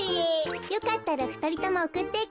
よかったらふたりともおくっていくわよ。